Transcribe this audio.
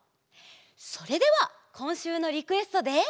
それではこんしゅうのリクエストで。